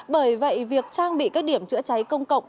bởi vậy việc trang bị các điểm chữa cháy công cộng